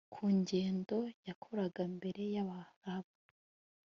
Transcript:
ku ngendo yakoraga mbere yAbarabu